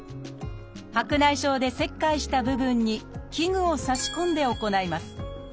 白内障で切開した部分に器具をさし込んで行います。